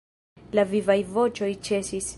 La vivaj voĉoj ĉesis.